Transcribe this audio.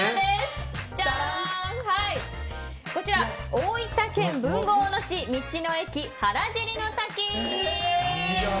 こちら大分県豊後大野市道の駅原尻の滝。